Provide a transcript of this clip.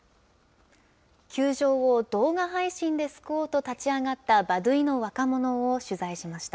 窮状を動画配信で救おうと立ち上がったバドゥイの若者を取材しました。